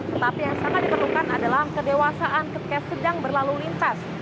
tetapi yang sangat diperlukan adalah kedewasaan ketika sedang berlalu lintas